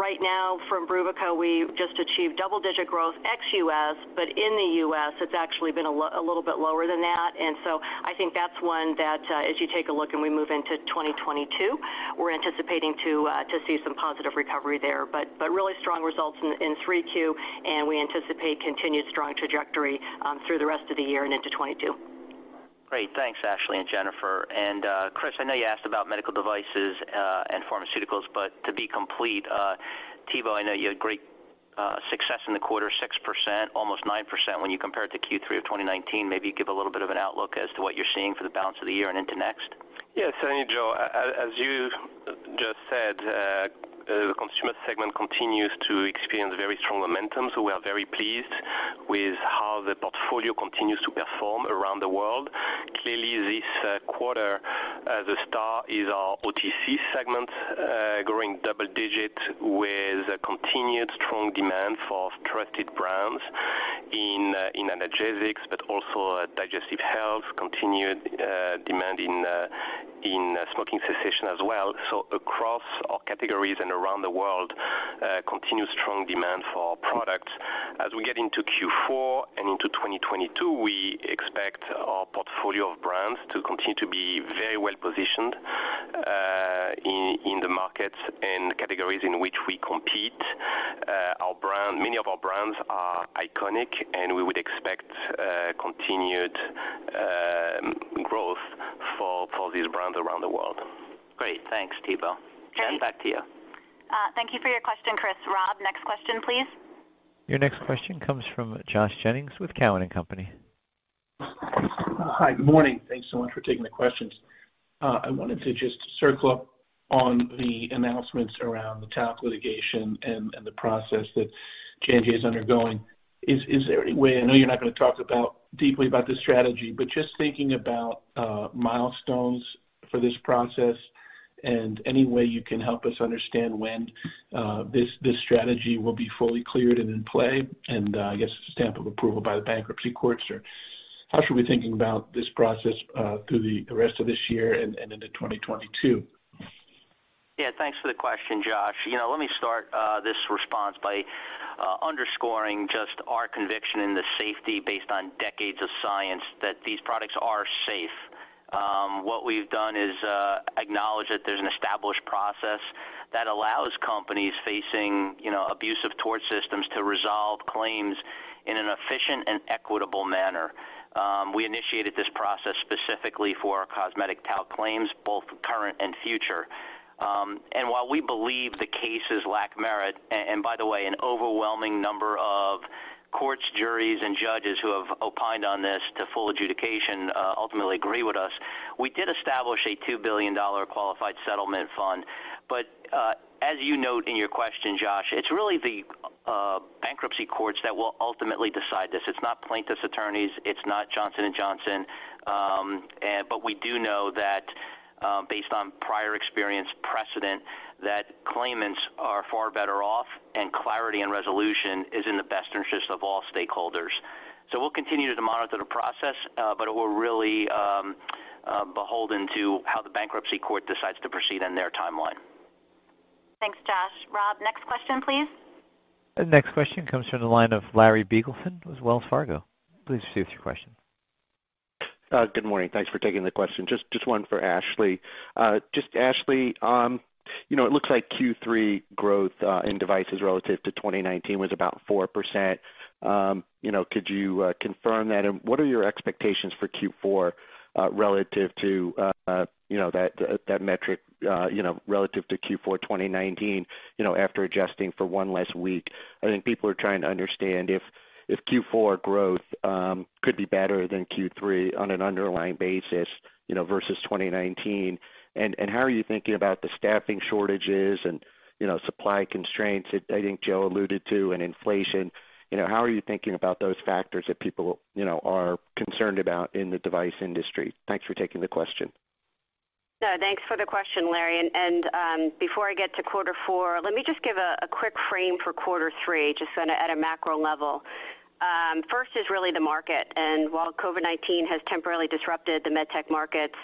Right now for IMBRUVICA, we've just achieved double-digit growth ex-U.S., but in the U.S., it's actually been a little bit lower than that. I think that's one that, as you take a look and we move into 2022, we're anticipating to see some positive recovery there. Really strong results in 3Q, and we anticipate continued strong trajectory through the rest of the year and into 2022. Great. Thanks, Ashley and Jennifer. Chris, I know you asked about medical devices and pharmaceuticals. To be complete, Thibaut, I know you had great success in the quarter, 6%, almost 9% when you compare it to Q3 of 2019. Maybe give a little bit of an outlook as to what you're seeing for the balance of the year and into next. Yes. Thank you, Joe as you just said consumer segment continues to experience very strong momentum. So we are very pleased with how the portfolio continues to perform around the world. This quarter, the star is our OTC segment, growing double-digit with continued strong demand for trusted brands in analgesics, but also digestive health, continued demand in smoking cessation as well. Across all categories and around the world, continued strong demand for our product. As we get into Q4 and into 2022, we expect our portfolio of brands to continue to be very well-positioned in the markets and categories in which we compete. Many of our brands are iconic, and we would expect continued growth for these brands around the world. Great. Thanks, Thibaut. Great. Jen, back to you. Thank you for your question, Chris. Rob, next question, please. Your next question comes from Josh Jennings with Cowen and Company. Hi. Good morning. Thanks so much for taking the questions. I wanted to just circle up on the announcements around the talc litigation and the process that J&J is undergoing. Is there any way, I know you're not going to talk deeply about the strategy, but just thinking about milestones for this process and any way you can help us understand when this strategy will be fully cleared and in play, and I guess a stamp of approval by the bankruptcy courts, or how should we be thinking about this process through the rest of this year and into 2022? Yeah. Thanks for the question, Josh. Let me start this response by underscoring just our conviction in the safety based on decades of science that these products are safe. What we've done is acknowledge that there's an established process that allows companies facing abusive tort systems to resolve claims in an efficient and equitable manner. We initiated this process specifically for our cosmetic talc claims, both current and future. While we believe the cases lack merit, and by the way, an overwhelming number of courts, juries, and judges who have opined on this to full adjudication ultimately agree with us, we did establish a $2 billion qualified settlement fund. As you note in your question, Josh, it's really the bankruptcy courts that will ultimately decide this. It's not plaintiffs' attorneys, it's not Johnson & Johnson. We do know that based on prior experience precedent, that claimants are far better off and clarity and resolution is in the best interest of all stakeholders. We'll continue to monitor the process, but we're really beholden to how the bankruptcy court decides to proceed and their timeline. Thanks, Josh. Rob, next question, please. The next question comes from the line of Larry Biegelsen with Wells Fargo. Please proceed with your question. Good morning. Thanks for taking the question. Just one for Ashley. Ashley, it looks like Q3 growth in devices relative to 2019 was about 4%. Could you confirm that? What are your expectations for Q4 relative to that metric, relative to Q4 2019, after adjusting for one less week? I think people are trying to understand if Q4 growth could be better than Q3 on an underlying basis versus 2019. How are you thinking about the staffing shortages and supply constraints that I think Joe alluded to, and inflation? How are you thinking about those factors that people are concerned about in the device industry? Thanks for taking the question. Thanks for the question, Larry. Before I get to quarter four, let me just give a quick frame for quarter three, just at a macro level. First is really the market. While COVID-19 has temporarily disrupted the med tech markets,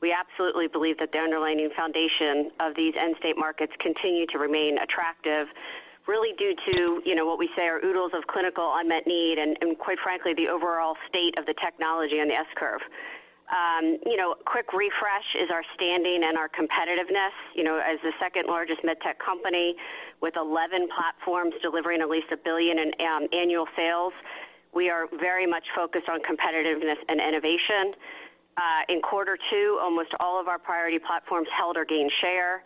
we absolutely believe that the underlying foundation of these end state markets continue to remain attractive, really due to what we say are oodles of clinical unmet need, and quite frankly, the overall state of the technology on the S-curve. Quick refresh is our standing and our competitiveness. As the second largest med tech company with 11 platforms delivering at least $1 billion in annual sales, we are very much focused on competitiveness and innovation. In quarter two, almost all of our priority platforms held or gained share.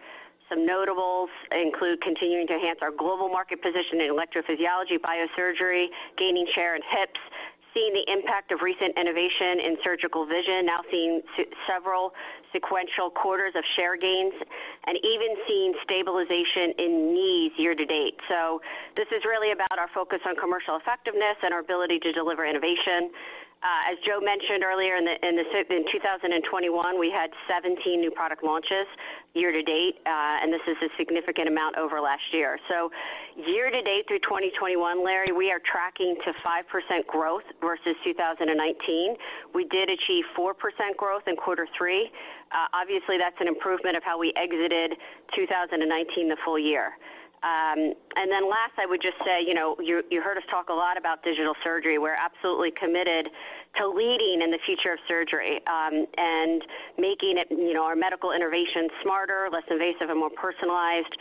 Some notables include continuing to enhance our global market position in electrophysiology biosurgery, gaining share in hips, seeing the impact of recent innovation in surgical vision, now seeing several sequential quarters of share gains, and even seeing stabilization in knees year to date. This is really about our focus on commercial effectiveness and our ability to deliver innovation. As Joe mentioned earlier, in 2021, we had 17 new product launches year-to-date. This is a significant amount over last year. Year-to -date through 2021, Larry, we are tracking to 5% growth versus 2019. We did achieve 4% growth in quarter three. Obviously, that's an improvement of how we exited 2019, the full year. Last, I would just say, you heard us talk a lot about digital surgery. We're absolutely committed to leading in the future of surgery and making our medical innovation smarter, less invasive, and more personalized.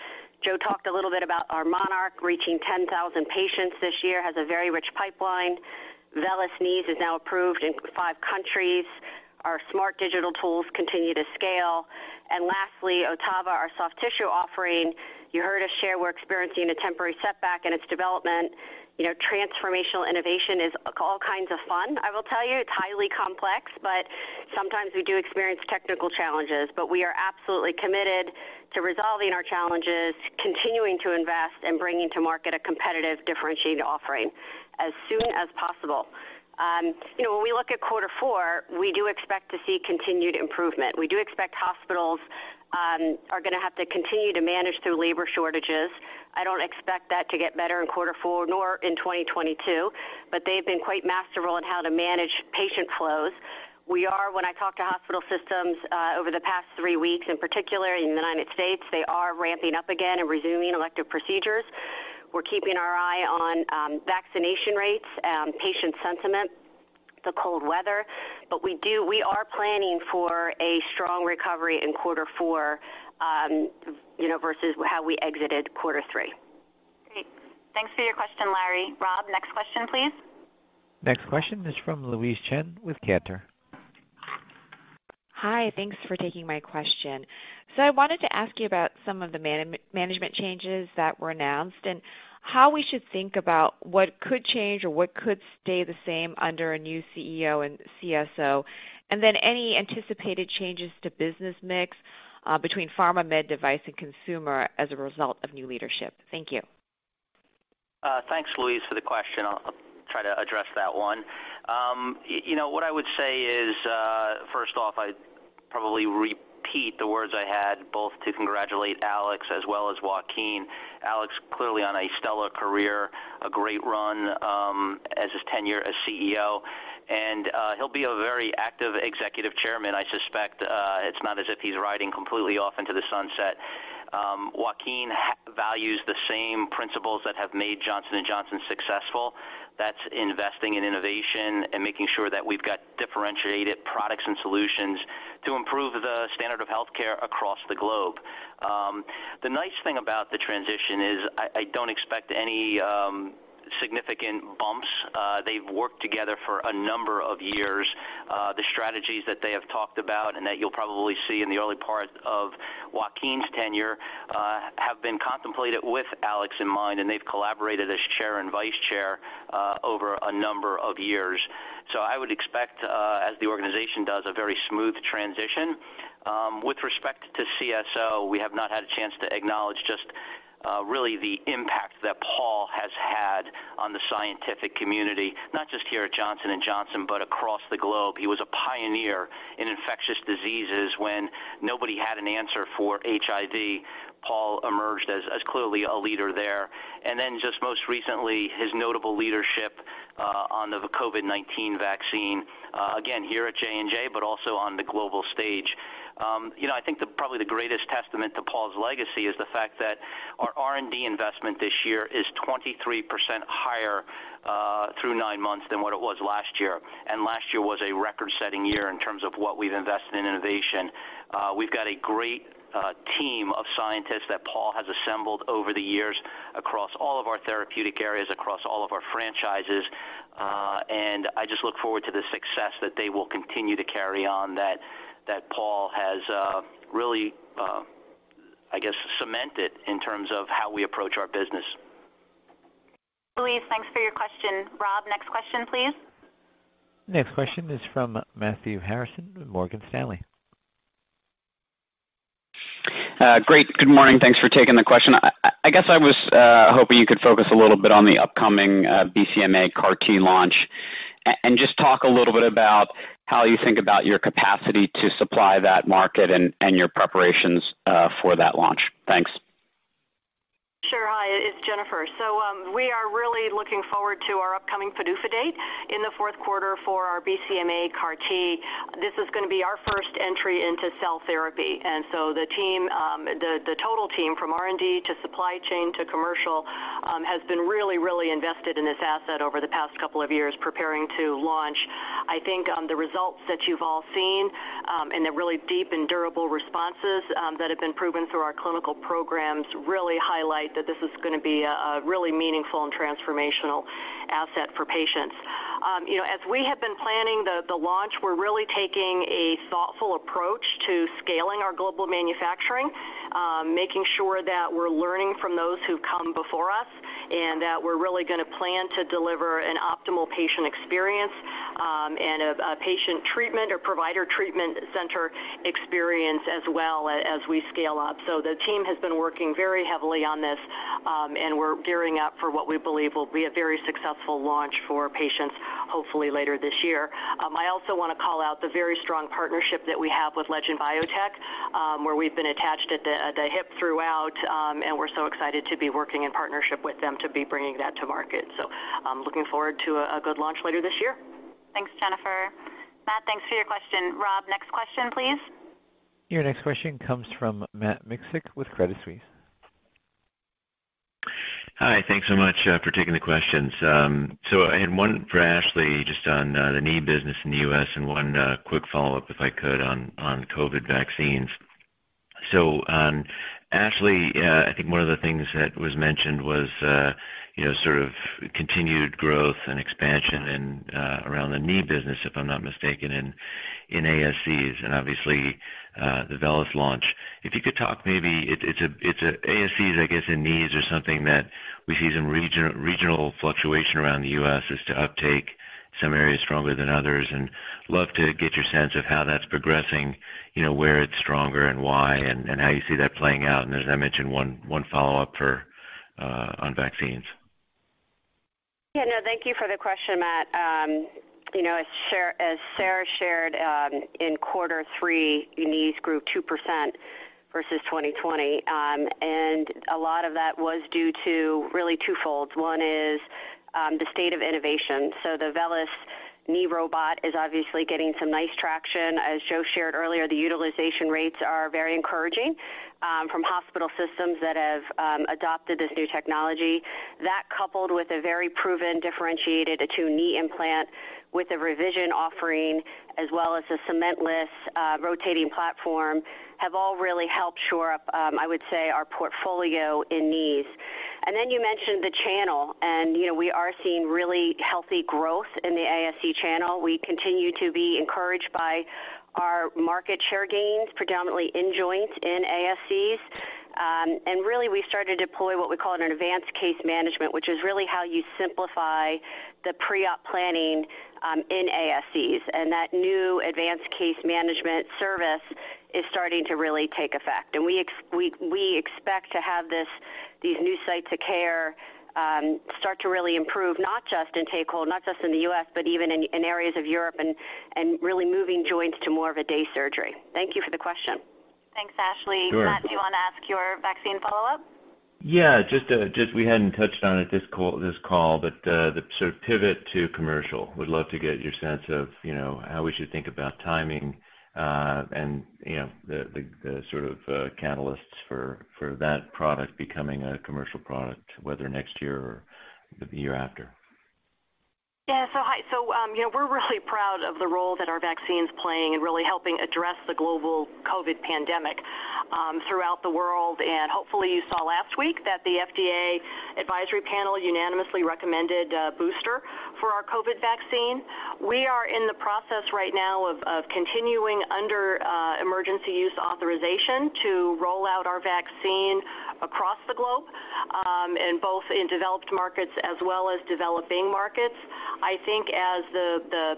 Joe talked a little bit about our MONARCH reaching 10,000 patients this year, has a very rich pipeline. VELYS knees is now approved in five countries. Our smart digital tools continue to scale. Lastly, OTTAVA, our soft tissue offering, you heard us share, we're experiencing a temporary setback in its development. Transformational innovation is all kinds of fun, I will tell you. It's highly complex, sometimes we do experience technical challenges. We are absolutely committed to resolving our challenges, continuing to invest, and bringing to market a competitive, differentiated offering as soon as possible. When we look at quarter four, we do expect to see continued improvement. We do expect hospitals are going to have to continue to manage through labor shortages. I don't expect that to get better in quarter four, nor in 2022, but they've been quite masterful in how to manage patient flows. When I talk to hospital systems over the past three weeks, in particular in the U.S., they are ramping up again and resuming elective procedures. We're keeping our eye on vaccination rates, patient sentiment, the cold weather. We are planning for a strong recovery in quarter four versus how we exited quarter three. Great. Thanks for your question, Larry. Rob, next question, please. Next question is from Louise Chen with Cantor. Hi. Thanks for taking my question. I wanted to ask you about some of the management changes that were announced and how we should think about what could change or what could stay the same under a new CEO and CSO, and then any anticipated changes to business mix between pharma, med device, and consumer as a result of new leadership. Thank you. Thanks, Louise, for the question. I'll try to address that one. What I would say is, first off, I'd probably repeat the words I had both to congratulate Alex as well as Joaquin. Alex, clearly on a stellar career, a great run as his tenure as CEO, and he'll be a very active executive chairman, I suspect. It's not as if he's riding completely off into the sunset. Joaquin values the same principles that have made Johnson & Johnson successful. That's investing in innovation and making sure that we've got differentiated products and solutions to improve the standard of healthcare across the globe. The nice thing about the transition is I don't expect any significant bumps. They've worked together for a number of years. The strategies that they have talked about and that you'll probably see in the early part of Joaquin's tenure have been contemplated with Alex in mind, and they've collaborated as chair and vice chair over a number of years. I would expect, as the organization does, a very smooth transition. With respect to CSO, we have not had a chance to acknowledge just really the impact that Paul has had on the scientific community, not just here at Johnson & Johnson, but across the globe. He was a pioneer in infectious diseases when nobody had an answer for HIV. Paul emerged as clearly a leader there. Then just most recently, his notable leadership on the COVID-19 vaccine, again, here at J&J, but also on the global stage. I think probably the greatest testament to Paul's legacy is the fact that our R&D investment this year is 23% higher through nine months than what it was last year. Last year was a record-setting year in terms of what we've invested in innovation. We've got a great team of scientists that Paul has assembled over the years across all of our therapeutic areas, across all of our franchises. I just look forward to the success that they will continue to carry on that Paul has really, I guess, cemented in terms of how we approach our business. Louise, thanks for your question. Rob, next question, please. Next question is from Matthew Harrison with Morgan Stanley. Great. Good morning. Thanks for taking the question. I guess I was hoping you could focus a little bit on the upcoming BCMA CAR T launch. Just talk a little bit about how you think about your capacity to supply that market and your preparations for that launch. Thanks. Sure. Hi, it's Jennifer. We are really looking forward to our upcoming PDUFA date in the fourth quarter for our BCMA CAR T. This is going to be our first entry into cell therapy. The total team, from R&D to supply chain to commercial, has been really, really invested in this asset over the past couple of years preparing to launch. I think the results that you've all seen, and the really deep and durable responses that have been proven through our clinical programs, really highlight that this is going to be a really meaningful and transformational asset for patients. As we have been planning the launch, we're really taking a thoughtful approach to scaling our global manufacturing, making sure that we're learning from those who've come before us, and that we're really going to plan to deliver an optimal patient experience and a patient treatment or provider treatment center experience as well as we scale up. The team has been working very heavily on this, and we're gearing up for what we believe will be a very successful launch for patients, hopefully later this year. I also want to call out the very strong partnership that we have with Legend Biotech, where we've been attached at the hip throughout. We're so excited to be working in partnership with them to be bringing that to market. Looking forward to a good launch later this year. Thanks, Jennifer. Matt, thanks for your question. Rob, next question, please. Your next question comes from Matt Miksic with Credit Suisse. Hi. Thanks so much for taking the questions. I had one for Ashley, just on the knee business in the U.S. and one quick follow-up, if I could, on COVID vaccines. Ashley, I think one of the things that was mentioned was sort of continued growth and expansion around the knee business, if I'm not mistaken, in ASCs and obviously the VELYS launch. If you could talk maybe, ASCs, I guess, and knees are something that we see some regional fluctuation around the U.S. as to uptake, some areas stronger than others, and love to get your sense of how that's progressing, where it's stronger and why and how you see that playing out. As I mentioned, one follow-up on vaccines. Yeah, no, thank you for the question, Matt. As Sarah shared, in quarter three, knees grew 2% versus 2020. A lot of that was due to really twofolds. One is the state of innovation. The VELYS knee robot is obviously getting some nice traction. As Joe shared earlier, the utilization rates are very encouraging from hospital systems that have adopted this new technology. That coupled with a very proven, differentiated, ATTUNE knee implant with a revision offering, as well as a cementless rotating platform, have all really helped shore up, I would say, our portfolio in knees. You mentioned the channel, and we are seeing really healthy growth in the ASC channel. We continue to be encouraged by our market share gains, predominantly in joints in ASCs. Really, we started to deploy what we call an advanced case management, which is really how you simplify the pre-op planning in ASCs. That new advanced case management service is starting to really take effect. We expect to have these new sites of care start to really improve, not just and take hold, not just in the U.S., but even in areas of Europe and really moving joints to more of a day surgery. Thank you for the question. Thanks, Ashley. Sure. Matt, do you want to ask your vaccine follow-up? We hadn't touched on it this call. The sort of pivot to commercial. Would love to get your sense of how we should think about timing, and the sort of catalysts for that product becoming a commercial product, whether next year or the year after? Yeah. Hi. We're really proud of the role that our vaccine's playing in really helping address the global COVID pandemic throughout the world. Hopefully you saw last week that the FDA advisory panel unanimously recommended a booster for our COVID vaccine. We are in the process right now of continuing under emergency use authorization to roll out our vaccine across the globe, both in developed markets as well as developing markets. I think as the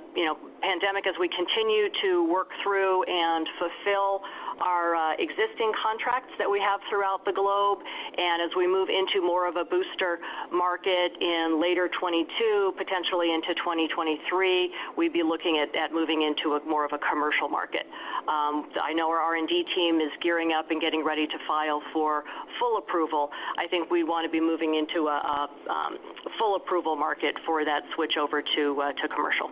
pandemic, as we continue to work through and fulfill our existing contracts that we have throughout the globe, and as we move into more of a booster market in later 2022, potentially into 2023, we'd be looking at moving into a more of a commercial market. I know our R&D team is gearing up and getting ready to file for full approval. I think we want to be moving into a full approval market for that switch over to commercial.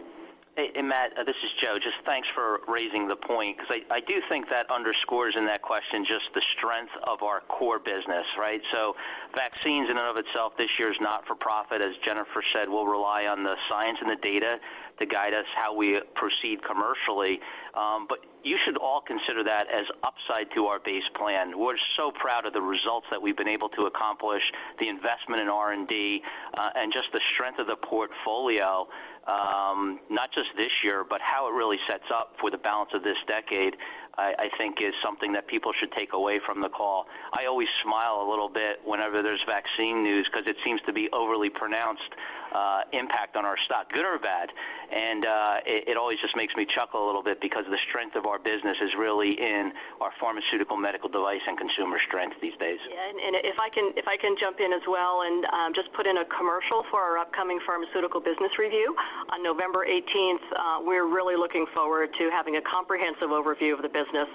Hey, Matt, this is Joe. Just thanks for raising the point, because I do think that underscores in that question just the strength of our core business, right? Vaccines in and of itself this year is not for profit. As Jennifer said, we'll rely on the science and the data to guide us how we proceed commercially. You should all consider that as upside to our base plan. We're so proud of the results that we've been able to accomplish, the investment in R&D, and just the strength of the portfolio, not just this year, but how it really sets up for the balance of this decade, I think is something that people should take away from the call. I always smile a little bit whenever there's vaccine news because it seems to be overly pronounced impact on our stock, good or bad. It always just makes me chuckle a little bit because the strength of our business is really in our pharmaceutical medical device and consumer strength these days. If I can jump in as well and just put in a commercial for our upcoming pharmaceutical business review on November 18th. We're really looking forward to having a comprehensive overview of the business.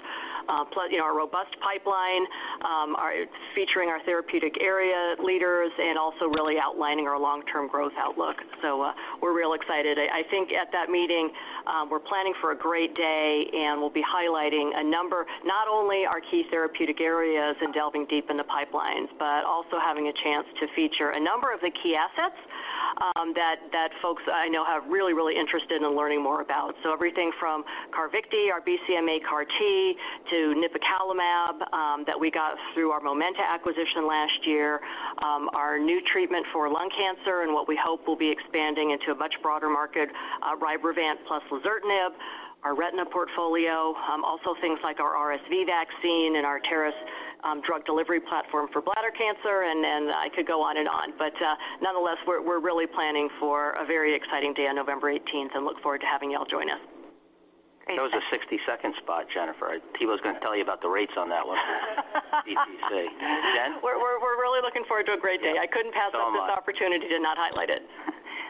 Our robust pipeline, featuring our therapeutic area leaders, and also really outlining our long-term growth outlook. We're real excited. I think at that meeting, we're planning for a great day, and we'll be highlighting a number, not only our key therapeutic areas and delving deep in the pipelines, but also having a chance to feature a number of the key assets that folks I know have really interested in learning more about. Everything from CARVYKTI, our BCMA CAR T, to nipocalimab that we got through our Momenta acquisition last year, our new treatment for lung cancer and what we hope will be expanding into a much broader market, RYBREVANT plus lazertinib, our retina portfolio. Things like our RSV vaccine and our TAR-200 drug delivery platform for bladder cancer, and I could go on and on. Nonetheless, we're really planning for a very exciting day on November 18th and look forward to having you all join us. That was a 60-second spot, Jennifer. Thibaut's going to tell you about the rates on that one. DTC. Jen? We're really looking forward to a great day. I couldn't pass up this opportunity to not highlight it.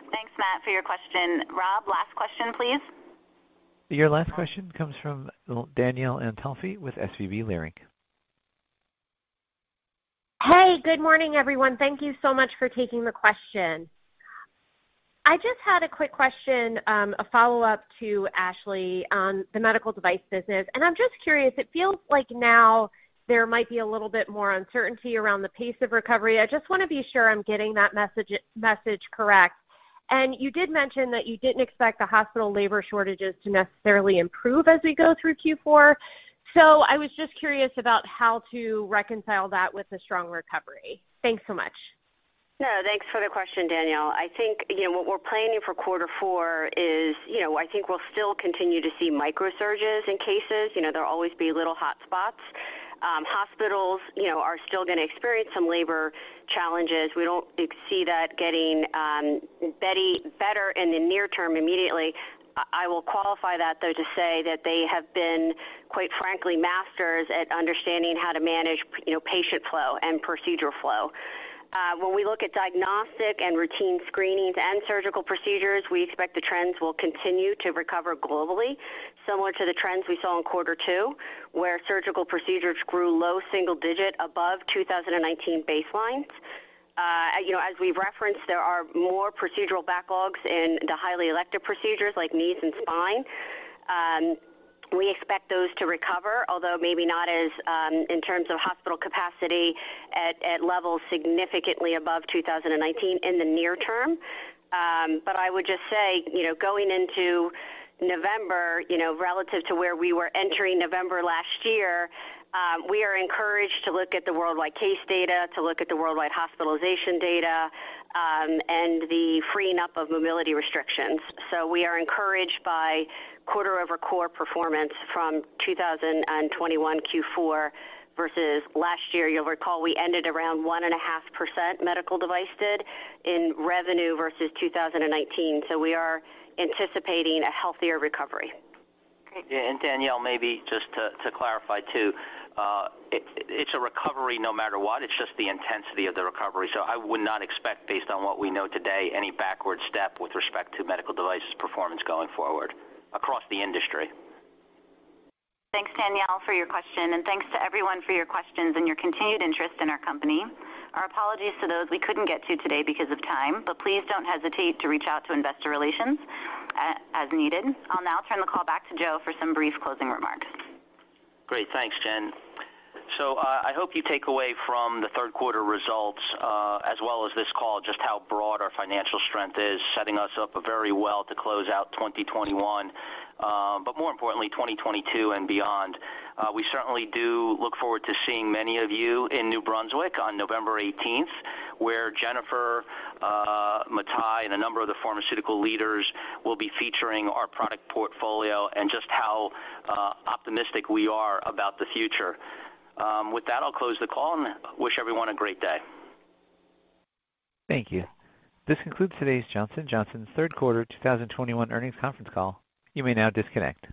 Thanks, Matt, for your question. Rob, last question, please. Your last question comes from Danielle Antalffy with SVB Leerink. Hey, good morning, everyone. Thank you so much for taking the question. I just had a quick question, a follow-up to Ashley on the Medical Devices business. I'm just curious. It feels like now there might be a little bit more uncertainty around the pace of recovery. I just want to be sure I'm getting that message correct. You did mention that you didn't expect the hospital labor shortages to necessarily improve as we go through Q4. I was just curious about how to reconcile that with a strong recovery. Thanks so much. No, thanks for the question, Danielle. I think what we're planning for quarter four is we'll still continue to see micro surges in cases. There'll always be little hotspots. Hospitals are still going to experience some labor challenges. We don't see that getting better in the near term immediately. I will qualify that, though, to say that they have been, quite frankly, masters at understanding how to manage patient flow and procedure flow. When we look at diagnostic and routine screenings and surgical procedures, we expect the trends will continue to recover globally, similar to the trends we saw in quarter two, where surgical procedures grew low single digit above 2019 baselines. As we've referenced, there are more procedural backlogs in the highly elective procedures like knees and spine. We expect those to recover, although maybe not in terms of hospital capacity at levels significantly above 2019 in the near term. I would just say, going into November, relative to where we were entering November last year, we are encouraged to look at the worldwide case data, to look at the worldwide hospitalization data, and the freeing up of mobility restrictions. We are encouraged by quarter-over-quarter performance from 2021 Q4 versus last year. You'll recall we ended around 1.5%, medical device did, in revenue versus 2019. We are anticipating a healthier recovery. Yeah. Danielle, maybe just to clarify, too. It's a recovery no matter what. It's just the intensity of the recovery. I would not expect, based on what we know today, any backward step with respect to Medical Devices performance going forward across the industry. Thanks, Danielle, for your question. Thanks to everyone for your questions and your continued interest in our company. Our apologies to those we couldn't get to today because of time, please don't hesitate to reach out to investor relations as needed. I'll now turn the call back to Joe for some brief closing remarks. Great. Thanks, Jen. I hope you take away from the third quarter results as well as this call, just how broad our financial strength is, setting us up very well to close out 2021. More importantly, 2022 and beyond. We certainly do look forward to seeing many of you in New Brunswick on November 18th, where Jennifer, Mathai, and a number of the pharmaceutical leaders will be featuring our product portfolio and just how optimistic we are about the future. With that, I'll close the call and wish everyone a great day. Thank you. This concludes today's Johnson & Johnson third quarter 2021 earnings conference call. You may now disconnect.